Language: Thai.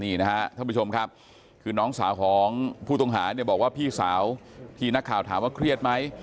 นี่นะครับท่านผู้ชมครับคือน้องสาวของผู้ต้องหาเนี่ยบอกว่าพี่สาวที่นักข่าวถามว่าเครียดไหม